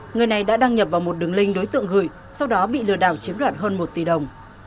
người này đã đăng nhập vào một đường link đối tượng gửi sau đó bị lừa đảo chiếm đoạt hơn một tỷ đồng